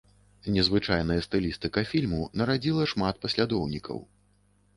Незвычайная стылістыка фільму нарадзіла шмат паслядоўнікаў.